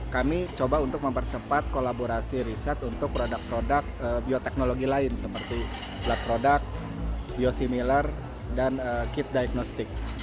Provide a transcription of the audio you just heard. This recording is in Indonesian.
kami coba untuk mempercepat kolaborasi riset untuk produk produk bioteknologi lain seperti blood product biosimilar dan kit diagnostic